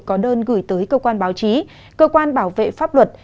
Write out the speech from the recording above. có đơn gửi tới cơ quan báo chí cơ quan bảo vệ pháp luật